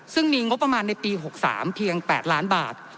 ซึ่งมีงบประมาณในปี๖๓เพียง๘ล้านบาท